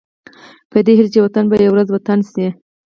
په دې هيله چې وطن به يوه ورځ وطن شي.